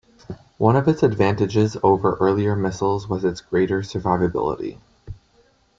One of its advantages over earlier missiles was its greater survivability.